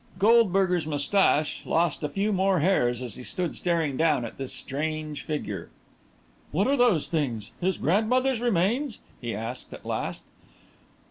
Goldberger's moustache lost a few more hairs as he stood staring down at this strange figure. "What are those things? His grandmother's remains?" he asked, at last.